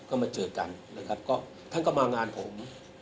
ก็มาเจอกันนะครับก็ท่านก็มางานผม